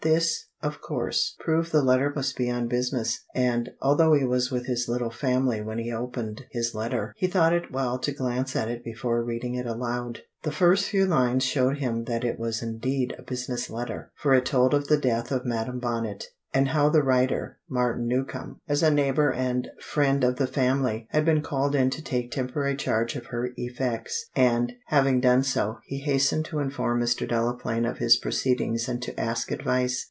This, of course, proved the letter must be on business; and, although he was with his little family when he opened his letter, he thought it well to glance at it before reading it aloud. The first few lines showed him that it was indeed a business letter, for it told of the death of Madam Bonnet, and how the writer, Martin Newcombe, as a neighbour and friend of the family, had been called in to take temporary charge of her effects, and, having done so, he hastened to inform Mr. Delaplaine of his proceedings and to ask advice.